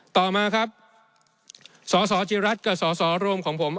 ต่อมาครับสสจิรัตน์กับสสรวมของผม